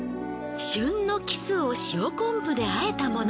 旬の鱚を塩昆布で和えたもの。